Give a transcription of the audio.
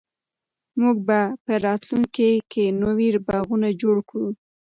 موږ به په راتلونکي کې نوي باغونه جوړ کړو.